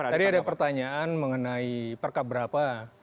tadi ada pertanyaan mengenai perkab berapa